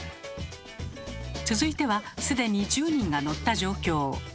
続いては既に１０人が乗った状況。